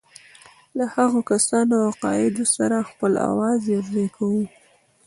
له هغو کسانو او عقایدو سره خپل آواز یوځای کوو.